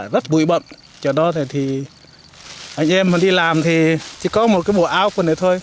rất bụi bậm chỗ đó thì anh em mà đi làm thì chỉ có một cái bộ áo của này thôi